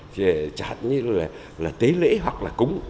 chẳng hạn như là tế lễ hoặc là cúng